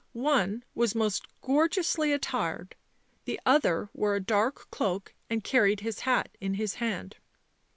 One was most gorgeously attired, the other wore a dark cloak and carried his hat in his hand.